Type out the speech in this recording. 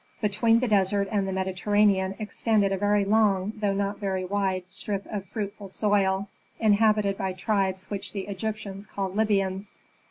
Between the desert and the Mediterranean extended a very long, though not very wide strip of fruitful soil, inhabited by tribes which the Egyptians called Libyans.